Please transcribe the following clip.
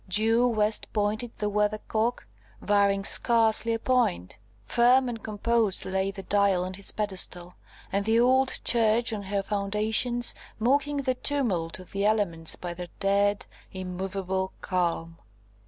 Due west pointed the Weathercock, varying scarcely a point. Firm and composed lay the Dial on his pedestal, and the old church on her foundations, mocking the tumult of the elements by their dead, immovable calm.